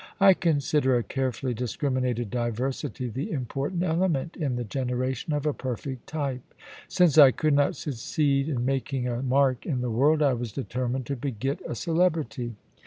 I consider a carefully discriminated diversity the important element in the generation of a per fect type. Since I could not succeed in making a mark in THE PREMIERS STOREKEEPER. 27 the world, I was determined to beget a celebrity.